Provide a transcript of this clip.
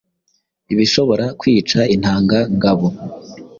ibishobora kwica intanga ngabo